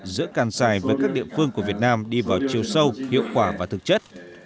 giữa cang sai với các địa phương của việt nam đi vào chiều sâu hiệu quả và thực chất